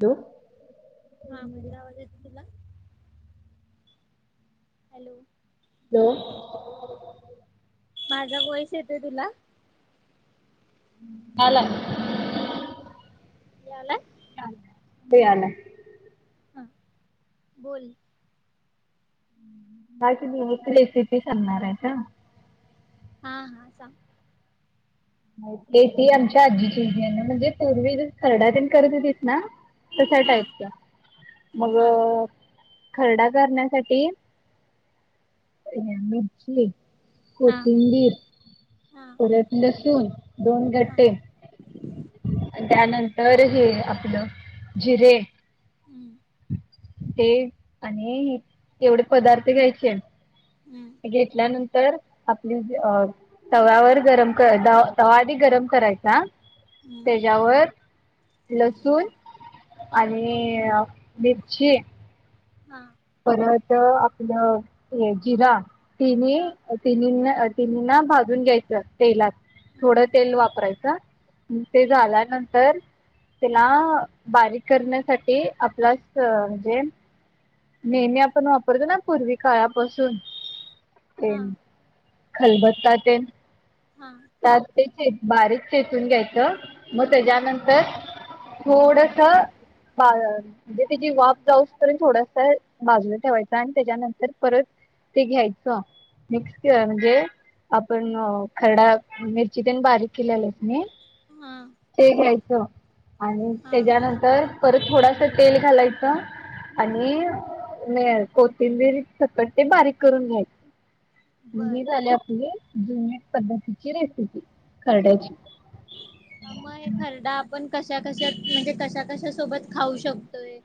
दो हा मजा आवाज येत तुला हॅलो हॅलो माझा वयस येतय तुला ला कलं ह तेला हां बोल बाकी बच रेसिपी आणणार आहे का हा हा स ते ती आमच्या आजीची इतीी आहे म्हणजे पूर्वी ज खरडा करत होेतस ना तश हा टाईपच मग हा खरडा करण्यासाठी रामजी हा कोतिंबीर हा परत बसून दोन हा गटे त्यानंतर हे आपलं जिरे हम्म ते आणि एवढे पदार्थ घ्यायचे हम्म घेतल्यानंतर तर आपली तव्यावर गरम तवा आधी गरम करायचा हम्म त्याच्यावर लसूण आणि मिरची हा परत आपलं जिरा तिनी हा तिनी त ना भाजून घ्यायचं तेलात हा थोडं तेल हा वापरायचं ते झाल्या नंतर त्याला बारीक करण्यासाठी आपला म्हणजे नेहमी आपण वापरतो ना पूर्वी काळापासून तेन खलबत्ताातन हां ते बारीक चेचून घ्यायचं मग हा त्याच्यानंतर थोडस बाजार म्हणजे त्याची वाफ जाऊस तर थोडासा बाजूला ठेवायचा आणि त्याच्यानंतर परत ते घ्यायचं मिक्स के म्हणजे आपण खरडा मिरची तेण बारीक केलेलेत मी हा ते घ्यायचं आणि हा त्याच्यानंतर परत थोडस तेल घालायचं आणि नाही कोथिंबीर झपट ते बारीक करून घ्यायचे म बर हे झाले आपले जु पद्धतीची रेसिपी खरड्याची मग हे खरडा आपण कशा कश म्हणजे कशा कश सोबत खाऊ शकतोय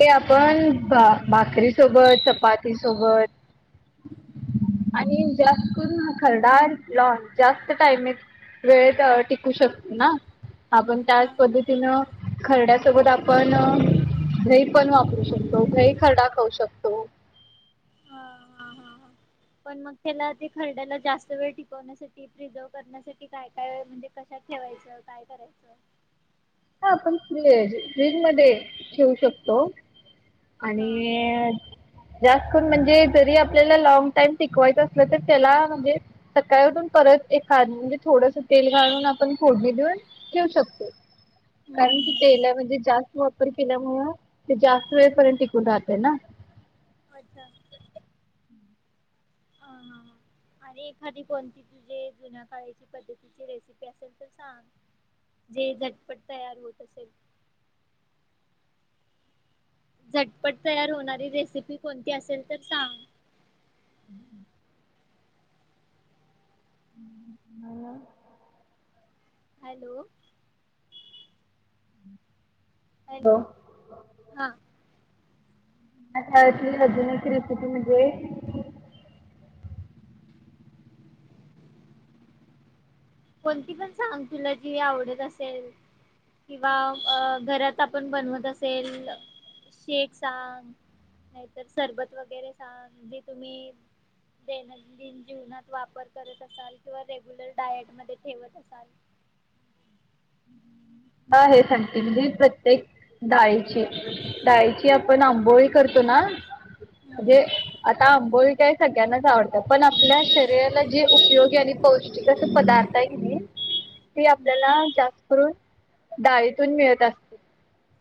ते आपण भाकरीसोबत चपाती सोबत. आणि जास्त करून ह खरडा लॉन जास्त टाइम वेळेत टिकू शकतो ना आपण त्याच हा पद्धतीनं खरड्यासोबत आपण घही पण वापरू शकतो घही खरडा खाऊ शकतो हा हा हा हा [inaudible] पण मग त्याला ते खरड्याला जास्त वेळ टिकवण्यासाठी प्रिझर्व करण्यासाठी काय काय म्हणजे कशात ठेवायचं काय करायचं हा आपण फ फ्रीज मध्ये ठेवऊ शकतो आणि हा जास्त म्हणजे जरी आपल्याला लॉंग टाइम शिकवायचं असलं तर त्याला म्हणजे सकाळी उठून परत एखाद म्हणजे थोडंस तेल घाळून आपण फोडणी देऊन ठेवू शकतो कारण की हम्म तेला म्हणजे जास्त वार केल्यामुळे ते जास्त वेळपर्यंत टिकून राहत ना अच्छा ह आणि एखादी कोणती तुझे जुन्या काळाची पद्धतीची रेसिपी असेल तर सांग जे झटपट तयार होत असेल झटपट तयार होणारी रेसिपी कोणती असेल तर सांग ह ना हॅलो हॅलो हो. हां आतली अजून एक रेसिटी म्हणजे कोणती पण सांग तुला जी आवडत असेल किंवा घरात आपण बनवत असेल शेक सांग नाहीतर सरबत वगैरे सांगे जे तुम्ही दैनंदिन जीवनात वापर करत असाल किंवा रेग्युलर डायट मध्ये ठेवत असाल हा हे सांगते म्हणे प्रत्येक डाळीची डाळीची आपण आंबोळी करतो ना हम्म. म्हणजे आता आंबोळी काय सगळ्यांनाच आवडतं पण आपल्या शरीराला जे उपयोगी आणि पौष्टिक अस पदार्थ आहे ते अच्छा आपल्याला जास्त करून डाळीतून मिळत असत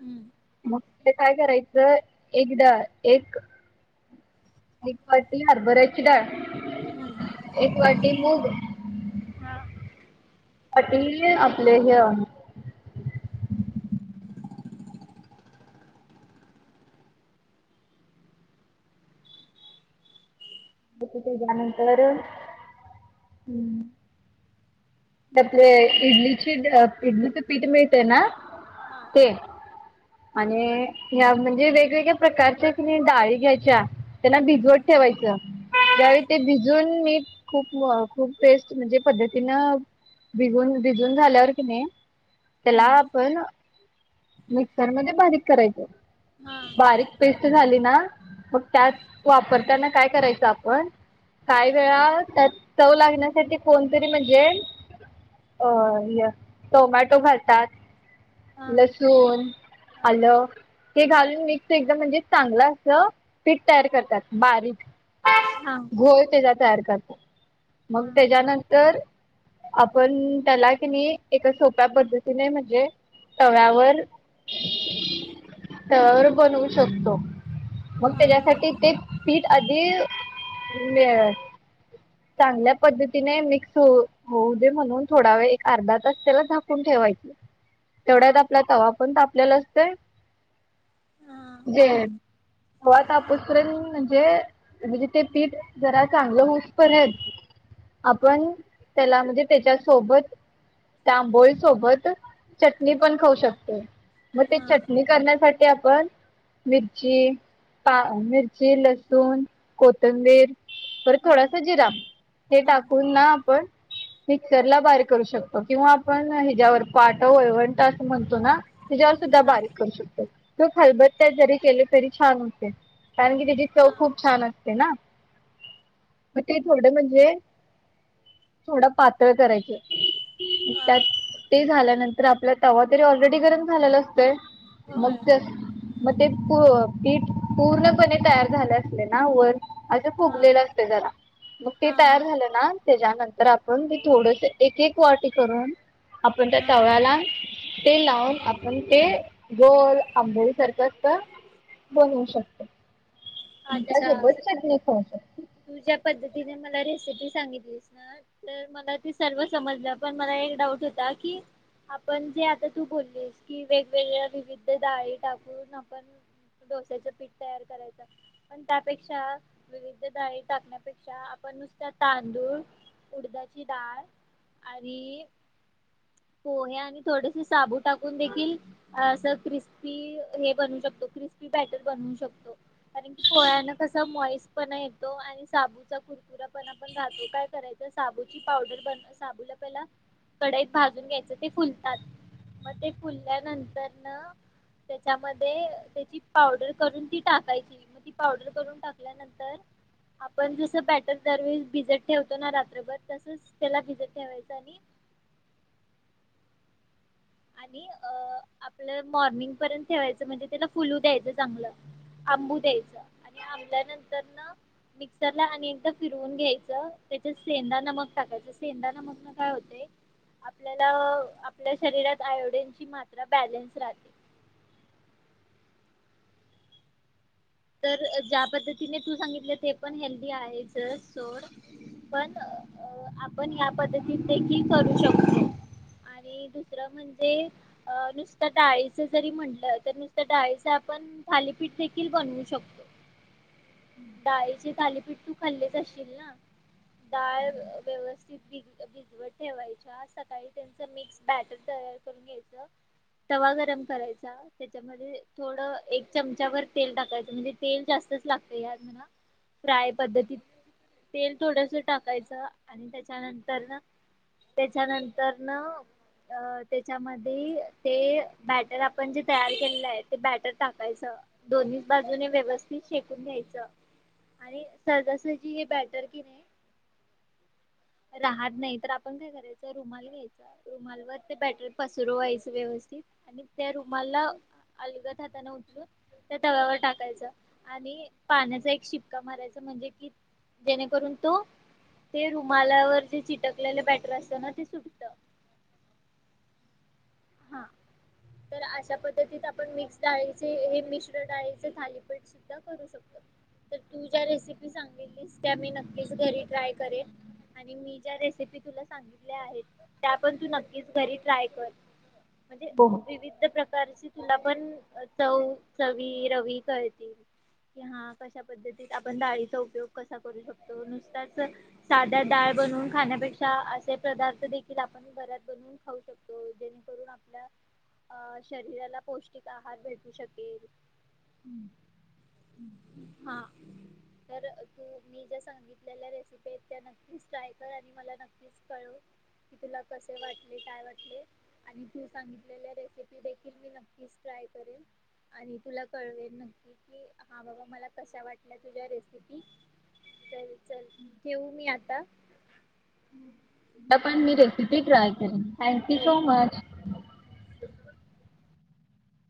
हम्म मग ते काय करायचं एकदा एक एक वाटी हरबऱ्याची डाळ एक हम्म वाटी मूग हा. सा आपले हे तेच्यानंतर हम्म. आपले इडलीची इडलीच पीठ मिळतय ना. हा. ते आणि ह्या म्हणजे वेगवेगळ्या प्रकारच्या किने डाळी घ्यायच्या. त्यांना भिजवत ठेवायचं. त्यावेळी ते भिजून मी खूप खूप पेस्ट म्हणजे पद्धतीनं भिघून भिजून झाल्यावर कि नाही त्याला आपण मिक्सरमध्ये बारीक करायच. बारीक पेस्ट झाली ना मग त्यात वापरताना काय करायचं आपण काय वेळा त्यात चव लागण्यासाठी कोणतरी म्हणजे अ टोमॅटो घालतात. लसूून आल ते घालून मिक्स एकदम म्हणजे चांगलं अस पीठ तयार करतात बारीक. हा. होय त्याचा तयार करतो मग त्याच्यानंतर आपण त्याला कि नाही एका सोप्या पद्धतीने म्हणजे तव्यावर त्याववर बनवू शकतो. मग त्याच्यासाठी ते पीठ आधी चांगल्या पद्धतीने मिक्स हो होऊ दे म्हणून थोडा वेळ एक अर्धा तास त्याला झाकून ठेवायच. तेवढ्यात आपला तवा पण त आपल्याला असत जे ग तापसपर्यंत म्हणजे म्हणजे ते पीठ जरा चांगलं होऊ पर आपण त्याला म्हणजे त्याच्या सोबत त्या आंबोळी सोबत चटणी पण खाऊ शकते. मग ते चटणी करण्यासाठी आपण मिरची पा मिरची लसूण कोथंबीर बर थोडा जिरा हे टाकून ना आपण मिक्सर ला बारीक करू शकतो. किंवा आपण ह्याच्यावर पाट वरवंटा असं म्हणतो ना त्याच्यावर सुद्धा बारीक करू शकतो. तो खलबत्या जरी केले तरी छान होते कारण की त्याची चव खूप छान असते ना. मग ते थोड म्हणजे थोडं पातळ करायचे- त्यात ते झाल्यानंतर आपला तवा तरी ऑलरेडी गरम झालेला असतय- मग ते- मग ते पीठ पूर्णपणे तयार झालं असले ना वर असे फुगलेलं असते जरा मग ते तयार झालं ना त्याच्यानंतर आपण ते थोडस एक एक वाटी करून अपण तर तवाला ते लावून आपण ते गोल आंबोळी सारखं बनू शकते. अच्छा! कवच- तु ज्या पद्धतीने मला रेसिपी सांगितलीस ना- तर मला ते सर्व समजलं पण मला एक डाऊट होता की- आपण जे आता तू बोललीस की वेगवेगळ्या विविध डाळी टाकून आपण- डोस्याच पीठ तयार करायचं पण त्यापेक्षा विवि- डाळी टाकण्यापेक्षा आपण नुसत्या तांदूळ उडदाची डाळ- अरी पोहे आणि थोडेसे साबू टाकून देखील- असं क्रिस्पी हे बनू शकतो क्रिस्पी बॅटर बनवू शकतो. कारण की पोह्यानं कसा मॉइस पना येतो, आणि साबूचा कुरकुरा पण आपण जातो काय करायच. साबूची पावडर बन साबूला पहिला, कडाईत भाजून घ्यायचं ते फुलतात. मग ते फुलल्यानंतर न. त्याच्यामध्ये त्याची पावडर करून ती, टाकायची. मग ती पावडर करून टाकल्यानंतर आपण जसं बॅटर दरवेळी भिजत ठेवतो ना रात्रभर तसंच त्याला भिजत ठेवायचं आणि आणि अ आपलं मॉर्निंग पर्यंत ठेवायचं म्हणजे त्याला फुलू द्यायचं चांगलं. आंबू द्यायचं आणि आंबल्यानंतर न मिक्सरला आणिएकदा फिरवून घ्यायचं त्याच्यात सेंदा नमक टाकायचं सेंदा नमक न काय होतय आपल्याला आपल्या शरीरात आयोडीनची मात्रा बॅलन्स राहते. तर ज्या पद्धतीने तू सांगितलं ते पण हेल्दी आहेचच सोड. पण आपण या पद्धतीत देखील करू शकतो. आणि दुसरं म्हणजे अ नुसत्या डाळीच जरी म्हटलं तर नुसत्या डाळीचं आपण थालीपीठ देखील बनवु शकतो. डाळीचे थालीपीठ तू खाल्लेच असशील ना? डाळ व्यवस्थित भिज-भिग भिजवत ठेवायच्या सकाळी त्यांच मिक्स बॅटर तयार करून घ्यायचं. तवा गरम करायचा, त्याच्यामध्ये थोड एक चमचाभर तेल टाकायच म्हणजे तेल जास्तच लागतं यात म्हणा फ्राय पद्धतीत तेल थोडस टाकायचं आणि त्याच्यानंतरन त्याच्यानंतर न अ त्याच्यामध्ये ते बॅटर आपण जे तयार केलेलं आहे ते बॅटर टाकायचं. दोन्हीच बाजूने व्यवस्थित शेकून घ्यायचं. आणि सहजासहची हे बॅटर कि नाही [inaudible] राहत नाही तर आपण काय करायचं रुमाला घ्यायचा रुमालवर ते बॅटर पसरवायच व्यवस्थित आणि त्या रुमालला अलगद हातानं उचलून वर टाकायचं आणि पाण्याचा एक शिपका मारायचा म्हणजे कि जेणेकरून तो, ते रुमालावर जे चिटकलेलं बॅटर असतं ना ते सुटतं. हां. तर अशा पद्धतीत आपण मिक्स डाळीचे हे मिश्र डाळीचे थालीपीठस सुद्धा करू शकतो. तर तू ज्या रेसिपी सांगितलीस त्या मी नक्कीच घरी ट्राय करेन. आणि मी ज्या रेसिपी तुला सांगितल्या आहेत त्या पण तू नक्कीच घरी ट्राय कर. म्हणजे विवि ध प्रकारची तुला पण चव-चवी, रवी कळतील. कि हां कशा पद्धतीत आपण डाळीचा उपयोग कसा करू शकतो नुसताच साध्या डाळ बनवून खाण्यापेक्षा असे पदार्थ देखील आपण घरात बनवून खाऊ शकतो जेणे करुन आपल्या अ शरीराला पौष्टिक आहार भेटू शकेल. हम् हम्. हां. तर तू मी ज्या सांगितलेल्या रेसिपी आहेत त्या नक्कीच ट्राय कर आणि मला नक्कीच कळव. की तुला कसे वाटले, काय वाटले. आणि तू सांगितलेल्या रेसिपी देखील मी नक्कीच ट्राय करेन. आणि तुला कळवेल नक्की कि हा बाबा मला कशा वाटल्या तुझ्या रेसिपी. चल चल ठेऊू मी आता? पण मी हा रेसिपी ट्राय चालेल करेन थँक यू हो सो मच.